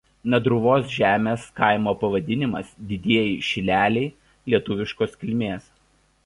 Nadruvos žemės kaimo pavadinimas "Didieji Šileliai" lietuviškos kilmės.